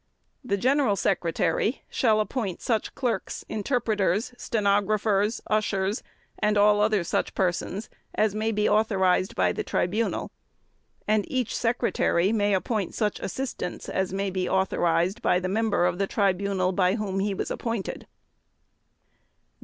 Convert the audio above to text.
The General Secretary shall appoint such clerks, interpreters, stenographers, ushers, and all such other persons as may be authorized by the Tribunal and each Secretary may appoint such assistants as may be authorized by the Member of the Tribunal by whom he was appointed.